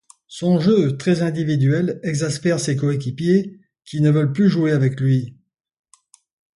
Son jeu très individuel exaspère ses coéquipiers qui ne veulent plus jouer avec lui.